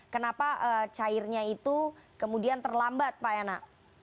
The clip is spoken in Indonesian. kenapa cairnya itu kemudian terlambat pak yana